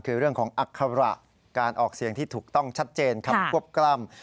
คือเรื่องของอัคระการออกเสียงที่ถูกต้องชัดเจนคำควบกล้ำ